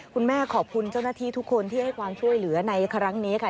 ขอบคุณเจ้าหน้าที่ทุกคนที่ให้ความช่วยเหลือในครั้งนี้ค่ะ